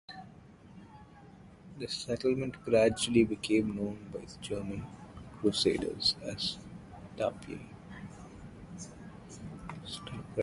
The settlement gradually became known by the German crusaders as Tapiau.